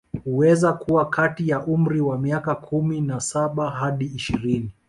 Huweza kuwa kati ya umri wa miaka kumi na saba hadi ishirini